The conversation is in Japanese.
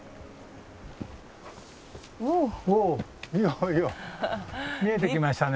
おおいよいよ見えてきましたね。